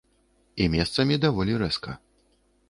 І месцамі даволі рэзка.